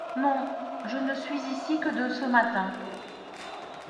Non… je ne suis ici que de ce matin…